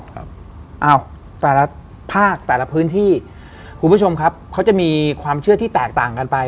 อ้าวแต่ละภาคแต่ละพื้นที่คุณผู้ชมครับเขาจะมีความเชื่อที่แตกต่างกันไป